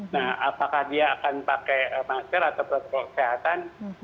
nah apakah dia akan pakai masker atau protokol kesehatan